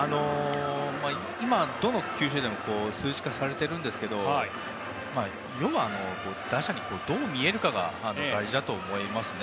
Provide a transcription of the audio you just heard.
今、どの球種でも数値化されているんですけど打者にどう見えるかが大事だと思いますね。